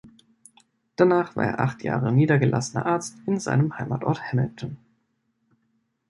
Danach war er acht Jahre niedergelassener Arzt in seinem Heimatort Hamilton.